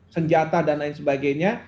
senjata dan lain sebagainya